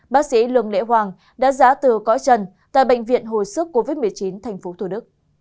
bác sĩ lương lễ hoàng đã giá từ cõi trần tại bệnh viện hồi sức covid một mươi chín tp thủ đức